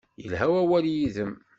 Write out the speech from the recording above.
Yelha wawal yid-m.